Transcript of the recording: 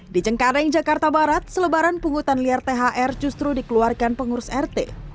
di cengkareng jakarta barat selebaran pungutan liar thr justru dikeluarkan pengurus rt